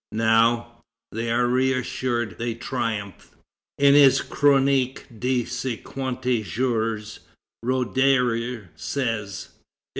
Now, they are reassured, they triumph. In his Chronique des Cinquante Jours, Roederer says: "If M.